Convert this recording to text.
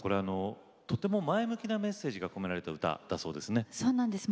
とても前向きなメッセージが込められた歌だそうですね。